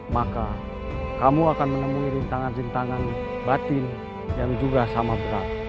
maka kau akan menemukan rintangan rintangan batin yang sama berat